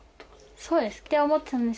そうです。